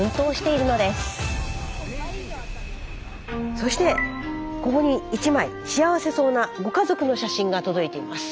そしてここに一枚幸せそうなご家族の写真が届いています。